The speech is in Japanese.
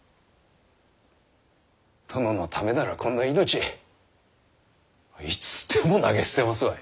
殿のためならこんな命いつでも投げ捨てますわい。